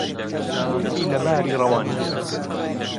کچی لەباری ڕەوەند